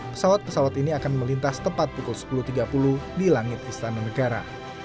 pesawat pesawat ini akan melintas tepat pukul sepuluh tiga puluh di langit istana negara